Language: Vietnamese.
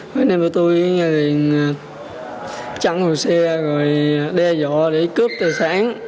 vậy nên bọn tôi chẳng hồ xe đe dọa để cướp tài sản